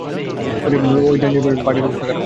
আরে, ওই ডাইনির পার্টির অবস্থা খারাপ।